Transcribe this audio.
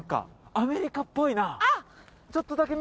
アメリカっぽいな！